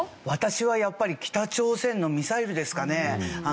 私はやっぱり北朝鮮のミサイルですかね。